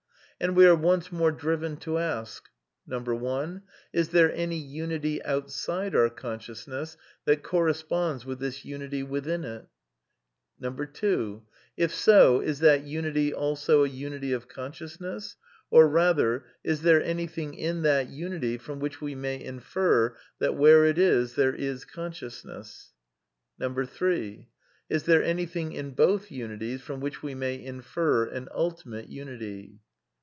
And we are once more driven to ask : 1. Is there any unity outside our consciousness that cor responds with this unity within it i 2. If 8O9 is that unity also a unity of consciousness ? Or rather: Is there anything in that unity from which we may infer that where it is there is con sciousness ? 3. Is there anything in both unities from which we may infer an ultimate unity?